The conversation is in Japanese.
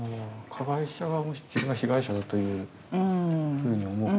加害者側も自分が被害者だというふうに思う？